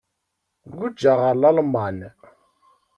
Guǧǧeɣ ɣer Lalman.